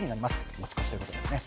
持ち越しということですね。